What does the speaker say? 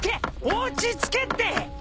落ち着けって！